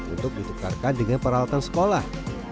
untuk ditukarkan dengan peralatan sekolah